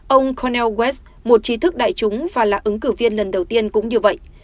ông konel west một trí thức đại chúng và là ứng cử viên lần đầu tiên cũng như vậy